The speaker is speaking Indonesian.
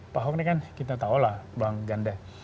pak ahok ini kan kita tahu lah bang ganda